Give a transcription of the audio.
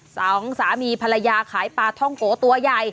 สองสามีภรรยาขายปลาท่องโกตัวใหญ่